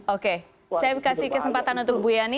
oke saya kasih kesempatan untuk bu yani